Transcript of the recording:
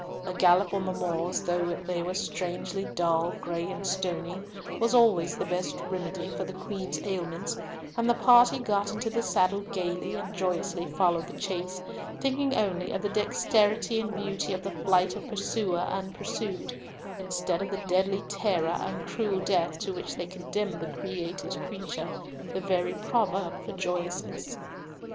A gallop on the moors, though they were strangely dull, gray, and stony, was always the best remedy for the Queen's ailments; and the party got into the saddle gaily, and joyously followed the chase, thinking only of the dexterity and beauty of the flight of pursuer and pursued, instead of the deadly terror and cruel death to which they condemned the created creature, the very proverb for joyousness.